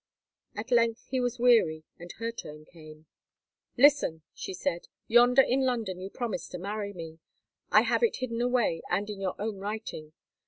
At length he was weary, and her turn came. "Listen," she said. "Yonder in London you promised to marry me; I have it hidden away, and in your own writing.